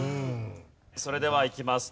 それではいきます。